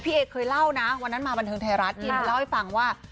พี่เอ๋เคยเล่านะวันนั้นมาบันทึงไทยรัฐอินเล่าให้ฟังว่า